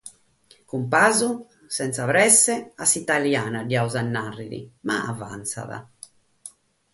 Cun pasu, sena presse, a s’italiana diamus nàrrere, ma avantzat.